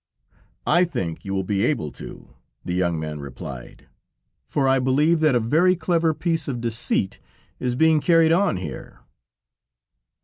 "I think you will be able to," the young man replied; "for I believe that a very clever piece of deceit is being carried on here."